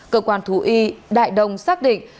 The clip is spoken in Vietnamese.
cơ quan thú y đại đông xác định